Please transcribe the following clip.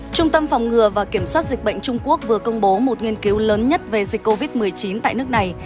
trung tâm phòng ngừa và kiểm soát dịch bệnh trung quốc vừa công bố một nghiên cứu lớn nhất về dịch covid một mươi chín tại nước này